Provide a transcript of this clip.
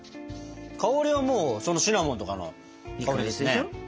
香りはもうシナモンとかの香りですね。